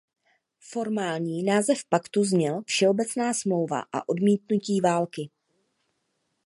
Formální název paktu zněl Všeobecná smlouva o odmítnutí války.